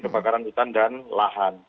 kebakaran hutan dan lahan